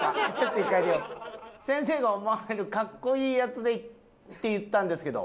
先生が思われるかっこいいやつでいいって言ったんですけど。